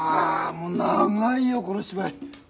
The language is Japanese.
もう長いよこの芝居。